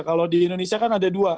kalau di indonesia kan ada dua